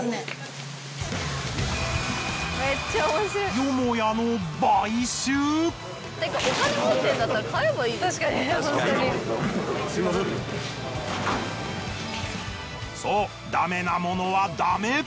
よもやのそうダメなものはダメ。